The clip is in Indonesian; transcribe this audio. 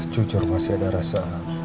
jujur masih ada rasa